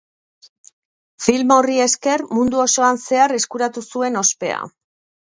Film horri esker, mundu osoan zehar eskuratu zuen ospea.